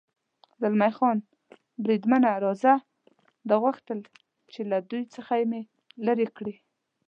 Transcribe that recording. زلمی خان: بریدمنه، راځه، ده غوښتل چې له دوی څخه مې لرې کړي.